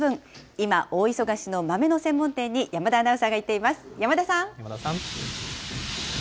今、大忙しの豆の専門店に山田アナウンサーが行っています。